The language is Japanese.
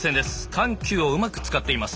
緩急をうまく使っています。